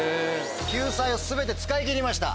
救済を全て使い切りました。